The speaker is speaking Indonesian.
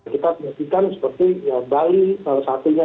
kita pastikan seperti bali salah satunya